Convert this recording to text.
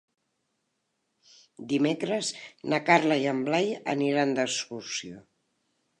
Dimecres na Carla i en Blai aniran d'excursió.